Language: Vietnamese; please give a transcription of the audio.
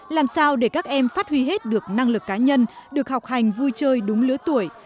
làm sao để các em phát huy hết được năng lực cá nhân được học hành vui chơi đúng lứa tuổi